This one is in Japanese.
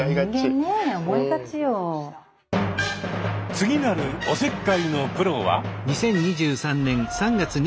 次なるおせっかいのプロは。